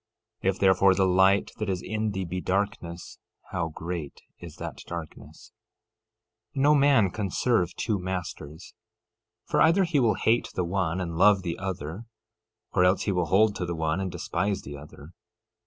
If, therefore, the light that is in thee be darkness, how great is that darkness! 13:24 No man can serve two masters; for either he will hate the one and love the other, or else he will hold to the one and despise the other.